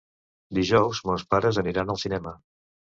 Dijous mons pares aniran al cinema.